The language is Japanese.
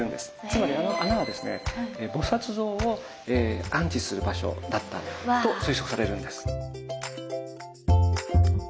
つまりあの穴はですね菩像を安置する場所だったと推測されるんです。